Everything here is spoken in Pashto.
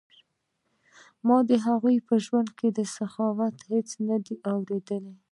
ما د هغوی په ژوند کې د سخاوت څه نه دي اوریدلي.